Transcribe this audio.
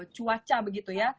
cuaca begitu ya